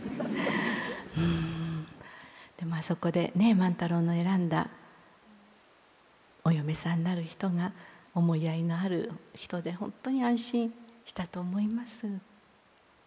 うんでもあそこでね万太郎の選んだお嫁さんになる人が思いやりのある人で本当に安心したと思います。